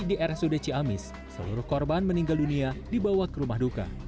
di rsud ciamis seluruh korban meninggal dunia dibawa ke rumah duka